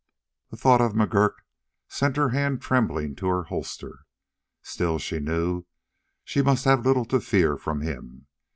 Thought of McGurk sent her hand trembling to her holster. Still she knew she must have little to fear from him.